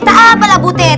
tak apalah butet